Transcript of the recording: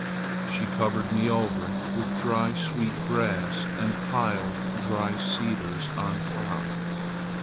She covered me over with dry sweet grass and piled dry cedars on top.